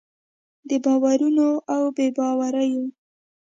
د باورونو او بې باوریو